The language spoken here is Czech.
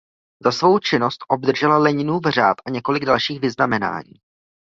Za svou činnost obdržel Leninův řád a několik dalších vyznamenání.